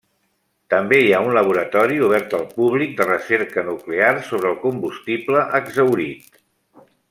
També hi ha un laboratori obert al públic de recerca nuclear sobre el combustible exhaurit.